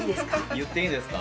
言っていいですか？